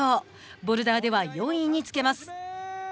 ボルダーでは４位につけます。